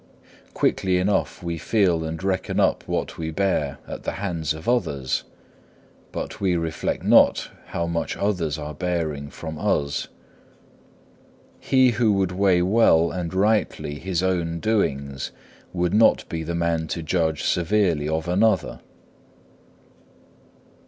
Quickly enough we feel and reckon up what we bear at the hands of others, but we reflect not how much others are bearing from us. He who would weigh well and rightly his own doings would not be the man to judge severely of another.